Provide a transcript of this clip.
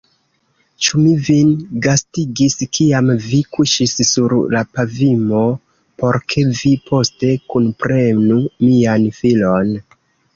Ĉu mi vin gastigis, kiam vi kuŝis sur la pavimo, por ke vi poste kunprenu mian filon?